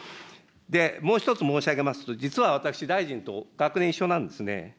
もう一つ申し上げますと、実は私、大臣と学年一緒なんですね。